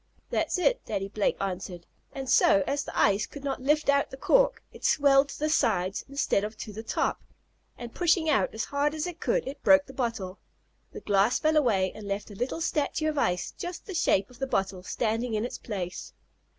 "That's it," Daddy Blake answered. "And so, as the ice could not lift out the cork, it swelled to the sides, instead of to the top, and pushing out as hard as it could, it broke the bottle. The glass fell away, and left a little statue of ice, just the shape of the bottle, standing in its place.